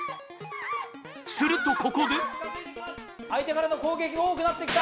するとここで相手からの攻撃も多くなって来た。